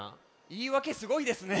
いいわけすごいですね。